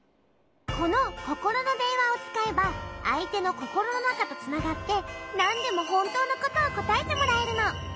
このココロのでんわをつかえばあいてのココロのなかとつながってなんでもほんとうのことをこたえてもらえるの。